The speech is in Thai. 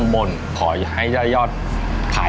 ไม่เลยหยิบเฉยเลย